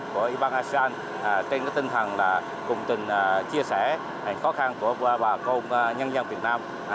của y băng asean trên cái tinh thần là cùng tình chia sẻ hành khó khăn của bà công nhân dân việt nam